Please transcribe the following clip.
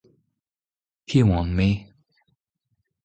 Piv on-me ?